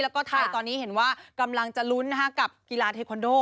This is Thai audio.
แล้วก็ไทยตอนนี้เห็นว่ากำลังจะลุ้นกับกีฬาเทคอนโด